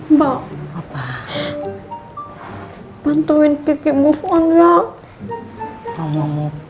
mbak bantuin kiki move on ya